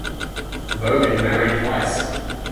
Bogan married twice.